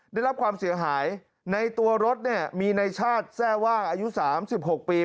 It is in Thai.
ได้รับความเสียหายในตัวรถเนี่ยมีในชาติแทร่ว่าอายุ๓๖ปี